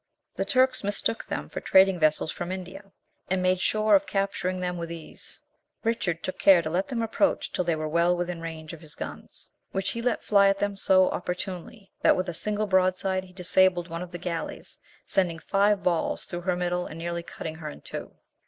The Turks mistook them for trading vessels from India, and made sure of capturing them with ease. Richard took care to let them approach till they were well within range of his guns, which he let fly at them so opportunely, that with a single broadside he disabled one of the galleys, sending five balls through her middle and nearly cutting her in two.